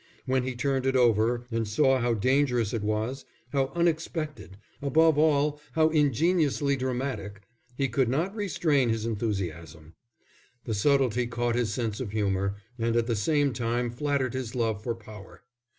When he turned it over, and saw how dangerous it was, how unexpected, above all how ingeniously dramatic, he could not restrain his enthusiasm. The subtlety caught his sense of humour, and at the same time flattered his love for power.